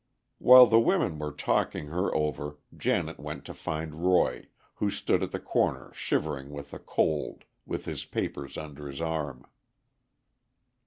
While the women were talking her over, Janet went to find Roy, who stood at the corner shivering with the cold, with his papers under his arm.